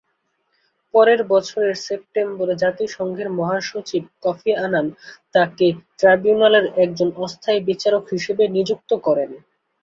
পরের বছরের সেপ্টেম্বরে জাতিসংঘের মহাসচিব কফি আনান, তাকে ট্রাইব্যুনালের একজন অস্থায়ী বিচারক হিসাবে নিযুক্ত করেন।